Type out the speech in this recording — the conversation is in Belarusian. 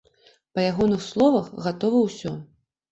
Па ягоных словах, гатова ўсё.